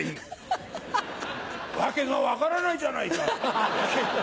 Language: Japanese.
ハハハ！訳が分からないじゃないか！